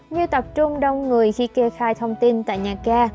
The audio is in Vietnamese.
như tập trung đông người khi kê khai thông tin tại nhà ga